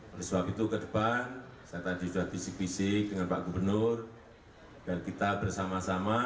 oleh sebab itu ke depan saya tadi sudah bisik bisik dengan pak gubernur dan kita bersama sama